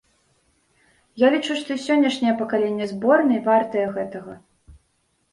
Я лічу, што і сённяшняе пакаленне зборнай вартае гэтага.